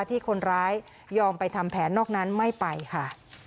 ที่คนร้ายยอมไปทำแผนนอกนั้นไม่ไปค่ะ